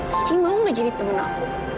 cici mau gak jadi temen aku